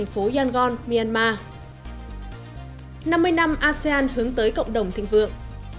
năm mươi năm asean hướng tới cộng đồng thịnh vượng